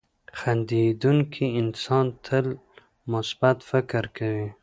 • خندېدونکی انسان تل مثبت فکر کوي.